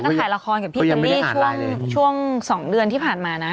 ก็ถ่ายละครกับพี่เจมมี่ช่วง๒เดือนที่ผ่านมานะ